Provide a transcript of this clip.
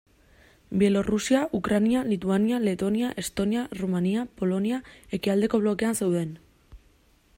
Bielorrusia, Ukraina, Lituania, Letonia, Estonia, Errumania, Polonia ekialdeko blokean zeuden.